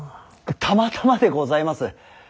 たまたまでございます。